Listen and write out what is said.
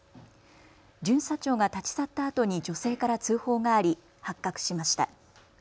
巡査長が立ち去ったあとに女性から通報があり発覚しました。